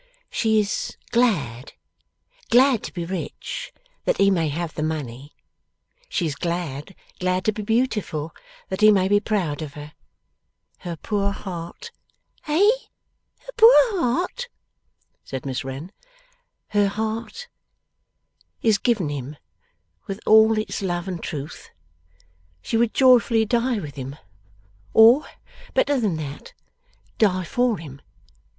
'She is glad, glad, to be rich, that he may have the money. She is glad, glad, to be beautiful, that he may be proud of her. Her poor heart ' 'Eh? Her poor heart?' said Miss Wren. 'Her heart is given him, with all its love and truth. She would joyfully die with him, or, better than that, die for him.